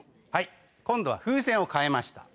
今度は風船を替えました。